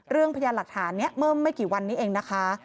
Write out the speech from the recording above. พยานหลักฐานนี้เมื่อไม่กี่วันนี้เองนะคะ